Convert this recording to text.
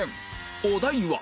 お題は